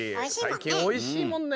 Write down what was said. おいしいもんね。